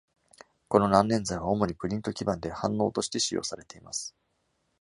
この難燃剤は主にプリント基板で、反応として使用されています。